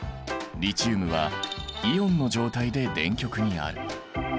リチウムはイオンの状態で電極にある。